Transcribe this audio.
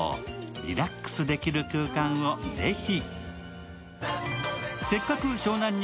リラックスできる空間をぜひ。